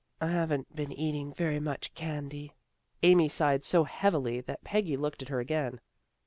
" I haven't been eating very much candy." Amy sighed so heavily that Peggy looked at her again.